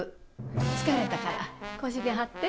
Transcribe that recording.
疲れたから腰に貼って。